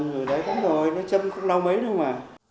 không người đấy cũng rồi nó chăm cũng đau mấy nữa mà